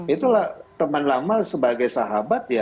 itulah teman lama sebagai sahabat ya